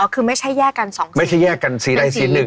คือไม่ใช่แยกกันสองคนไม่ใช่แยกกันสีใดสีหนึ่ง